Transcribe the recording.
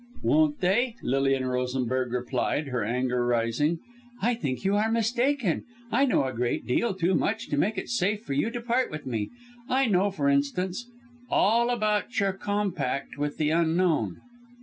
"Won't they?" Lilian Rosenberg replied, her anger rising. "I think you are mistaken. I know a great deal too much to make it safe for you to part with me. I know for instance all about your Compact with the Unknown!"